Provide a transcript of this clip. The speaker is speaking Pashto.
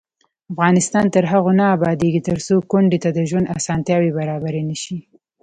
افغانستان تر هغو نه ابادیږي، ترڅو کونډې ته د ژوند اسانتیاوې برابرې نشي.